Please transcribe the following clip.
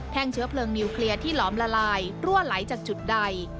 เชื้อเพลิงนิวเคลียร์ที่หลอมละลายรั่วไหลจากจุดใด